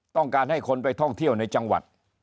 ต้องการให้คนไปท่องเที่ยวในจังหวัด